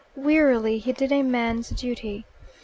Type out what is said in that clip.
Wearily he did a man's duty.